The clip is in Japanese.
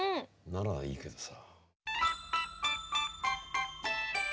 ならいいけどさ。